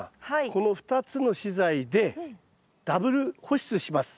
この２つの資材でダブル保湿します。